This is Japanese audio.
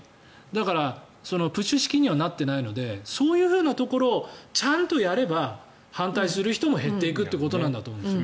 だからプッシュ式にはなっていないのでそういうふうなところをちゃんとやれば反対する人も減っていくことだと思います。